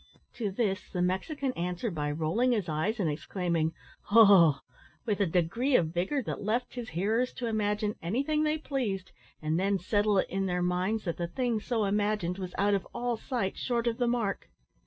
To this the Mexican answered by rolling his eyes and exclaiming "Hoh!" with a degree of vigour that left his hearers to imagine anything they pleased, and then settle it in their minds that the thing so imagined was out of all sight short of the mark.